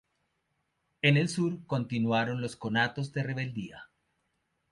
En el sur continuaron los conatos de rebeldía.